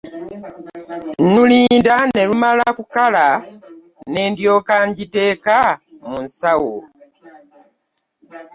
Ndulinda n'elumala kukala n'endyooka njiteeka mu nsawo .